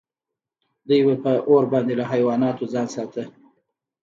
دوی به په اور باندې له حیواناتو ځان ساته.